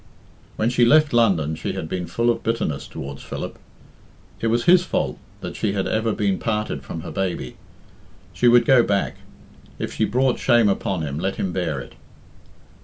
When she left London she had been full of bitterness towards Philip. It was his fault that she had ever been parted from her baby. She would go back. If she brought shame upon him, let him bear it.